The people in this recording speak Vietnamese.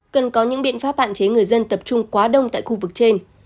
cần có những biện pháp hạn chế người dân tập trung quá đông tại khu vực trên